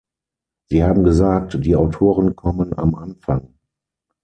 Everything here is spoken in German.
Sie haben gesagt, die Autoren kommen am Anfang.